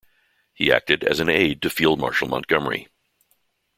He acted as an aide to Field Marshal Montgomery.